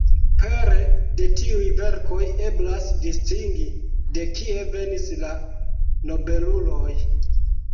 Pere de tiuj verkoj eblas distingi de kie venis la nobeluloj.